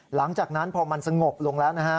หลังจากนั้นพอมันสงบลงแล้วนะฮะ